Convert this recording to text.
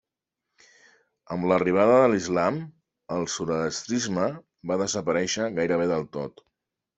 Amb l'arribada de l'islam, el zoroastrisme va desaparèixer gairebé del tot.